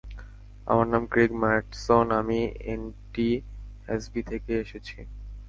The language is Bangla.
আমার নাম ক্রেগ ম্যাটসন, আমি এনটিএসবি থেকে এসেছি।